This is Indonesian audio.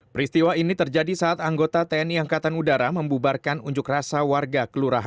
peristiwa ini terjadi saat anggota tni angkatan udara membubarkan unjuk rasa warga kelurahan